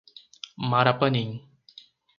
Marapanim